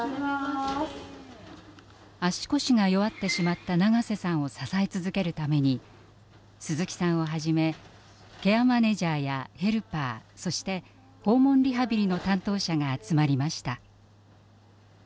足腰が弱ってしまった長瀬さんを支え続けるために鈴木さんをはじめケアマネジャーやヘルパーそして訪問リハビリの担当者が集まりました。